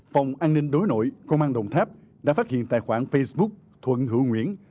phòng an ninh đối nội công an đồng tháp đã phát hiện tài khoản facebook thuận hữu nguyễn